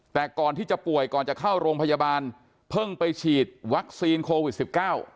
แต่ก่อนที่จะป่วยก่อนจะเข้าโรงพยาบาลเพิ่งไปฉีดวัคซีนโควิดสิบเก้า